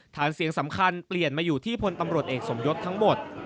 ฐานเสียงสำคัญเปลี่ยนมาอยู่ที่พลตำรวจเอกสมยศทั้งหมด